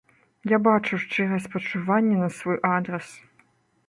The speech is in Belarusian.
Я бачыў шчырае спачуванне на свой адрас.